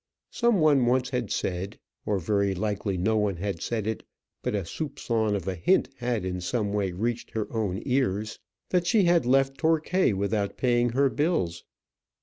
Some one once had said or very likely no one had said it, but a soupçon of a hint had in some way reached her own ears that she had left Torquay without paying her bills.